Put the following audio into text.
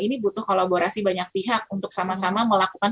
ini butuh kolaborasi banyak pihak untuk sama sama melakukan